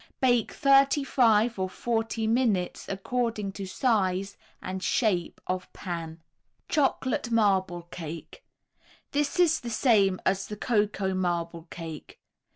Bake thirty five or forty minutes according to size and shape of pan. CHOCOLATE MARBLE CAKE This is the same as the Cocoa Marble Cake.